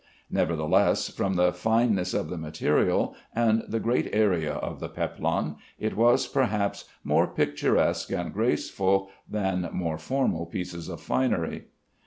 Nevertheless, from the fineness of the material and the great area of the peplon, it was, perhaps, more picturesque and graceful than more formal pieces of finery.